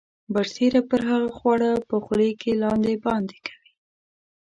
برسیره پر هغه خواړه په خولې کې لاندې باندې کوي.